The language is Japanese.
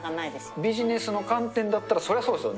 ビジネスの観点だったら、そうですね。